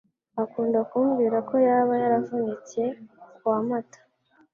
akunda kumbwira ko yaba yaravutse kuwa Mata